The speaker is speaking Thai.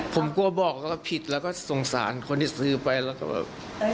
ผมกลัวบอกแล้วก็ผิดแล้วก็สงสารคนที่ซื้อไปแล้วก็แบบ